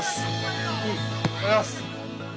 ありがとうございます！